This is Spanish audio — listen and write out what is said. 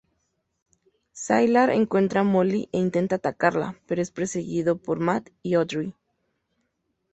Sylar encuentra a Molly e intenta atacarla, pero es perseguido por Matt y Audrey.